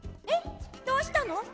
えっどうしたの？